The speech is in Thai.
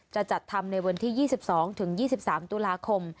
จะจัดทำในวันที่๒๒๒๓ตุลาคม